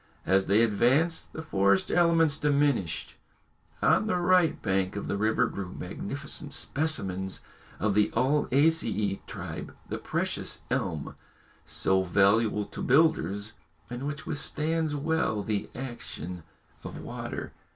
As they advanced the forest element diminished. On the right bank of the river grew magnificent specimens of the ulmaceæ tribe, the precious elm, so valuable to builders, and which withstands well the action of water.